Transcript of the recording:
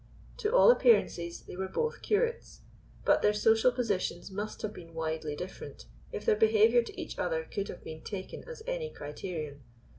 To all appearances they were both curates, but their social positions must have been widely different if their behavior to each other could have been taken as any criterion.